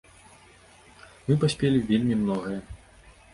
Мы паспелі вельмі многае.